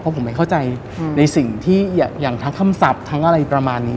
ผมไม่เข้าใจในสิ่งที่อย่างทั้งคำศัพท์ทั้งอะไรประมาณนี้